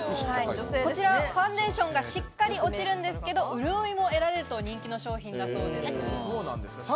こちらはファンデーションがしっかり落ちるんですけど、潤いも得られると人気の商品だそうです。